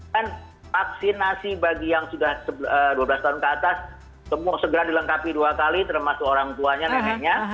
dan vaksinasi bagi yang sudah dua belas tahun ke atas semua segera dilengkapi dua kali termasuk orang tuanya neneknya